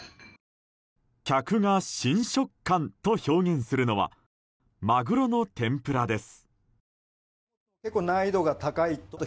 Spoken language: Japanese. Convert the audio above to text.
客が新食感と表現するのはマグロの天ぷらです。